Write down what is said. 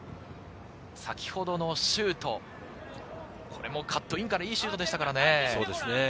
先ほどのシュート、これもカットインからいいシュートでしたからね。